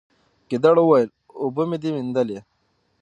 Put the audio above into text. ګیدړ وویل اوبه مي دي میندلي